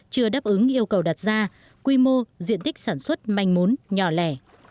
chưa đáp ứng yêu cầu đặt ra quy mô diện tích sản xuất manh mún nhỏ lẻ